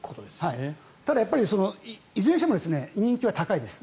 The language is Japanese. ただ、いずれにしても人気は高いです。